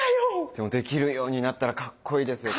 でもできるようになったらかっこいいですよ。